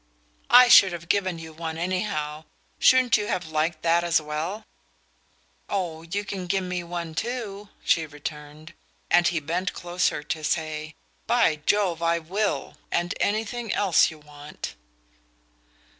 "I should have given you one anyhow shouldn't you have liked that as well?" "Oh, you can give me one too!" she returned; and he bent closer to say: "By Jove, I will and anything else you want."